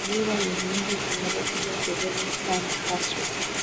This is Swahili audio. Vyura ni viumbe vinavyopiga kelele sana haswa